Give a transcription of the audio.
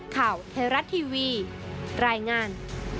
ข่าวเฮรัตทีวีรายงาน